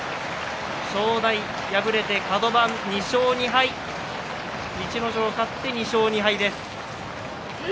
正代、敗れてカド番２勝２敗逸ノ城、勝って２勝２敗です。